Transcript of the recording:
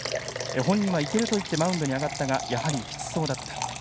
本人は行けると言ってマウンドに上がったがやはりきつそうだった。